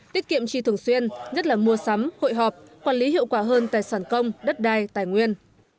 tiết kiệm chi thường xuyên nhất là mua sắm hội họp quản lý hiệu quả hơn tài sản công đất đai tài nguyên